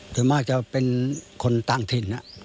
ส่วนมากจะเป็นคนต่างถิ่น